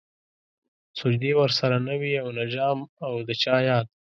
سجدې ورسره نه وې او نه جام او د چا ياد